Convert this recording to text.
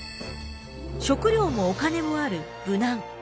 食料もお金もある無難。